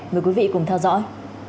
mời quý vị cùng theo dõi